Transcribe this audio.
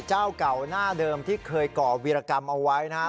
เจ้าเก่าหน้าเดิมที่เคยก่อวิรกรรมเอาไว้นะฮะ